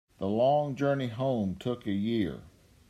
The long journey home took a year.